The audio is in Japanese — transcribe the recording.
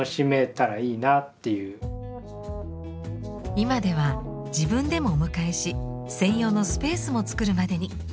今では自分でもお迎えし専用のスペースも作るまでに。